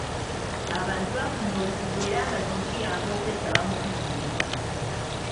Abantu bafunye obukugu era nga kino kibayamba okwetaba mu bizinensi.